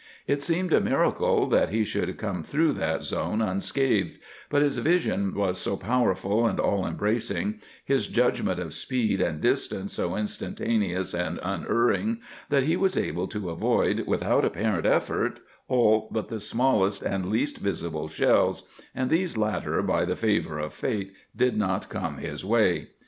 It seemed a miracle that he should come through that zone unscathed; but his vision was so powerful and all embracing, his judgment of speed and distance so instantaneous and unerring, that he was able to avoid, without apparent effort, all but the smallest and least visible shells, and these latter, by the favour of Fate, did not come his way.